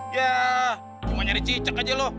ya cuma nyari cicak aja lu